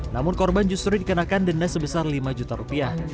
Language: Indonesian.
namun korban justru dikenakan denda sebesar lima juta rupiah